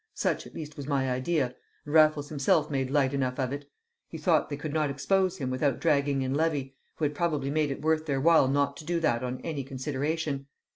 Such at least was my idea, and Raffles himself made light enough of it; he thought they could not expose him without dragging in Levy, who had probably made it worth their while not to do that on any consideration.